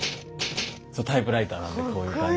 そうタイプライターなんでこういう感じで。